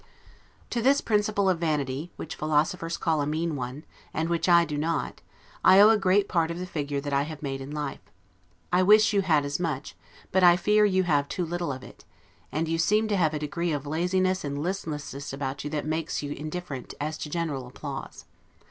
To this principle of vanity, which philosophers call a mean one, and which I do not, I owe great part of the figure which I have made in life. I wish you had as much, but I fear you have too little of it; and you seem to have a degree of laziness and listlessness about you that makes you indifferent as to general applause.